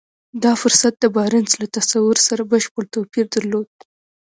دا فرصت د بارنس له تصور سره بشپړ توپير درلود.